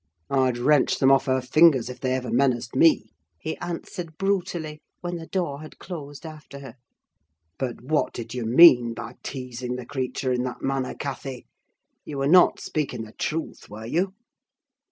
"I'd wrench them off her fingers, if they ever menaced me," he answered, brutally, when the door had closed after her. "But what did you mean by teasing the creature in that manner, Cathy? You were not speaking the truth, were you?"